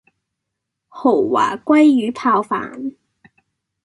豪華鮭魚泡飯